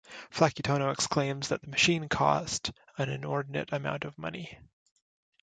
Flacutono exclaims that the machine "cost an inordinate amount of money".